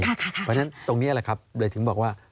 เพราะฉะนั้นตรงนี้แหละครับเลยถึงบอกว่า